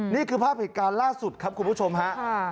นี่คือภาพเหตุการณ์ล่าสุดครับคุณผู้ชมฮะ